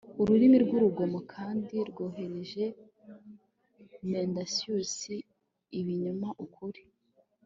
Ururimi rwurugomo kandi rworoheje mendacious ibinyoma ukuri